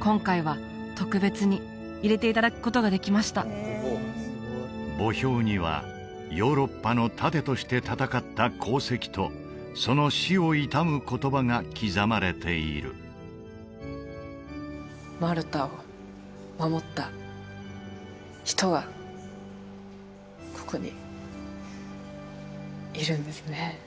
今回は特別に入れていただくことができました墓標にはヨーロッパの盾として戦った功績とその死を悼む言葉が刻まれているマルタを守った人がここにいるんですね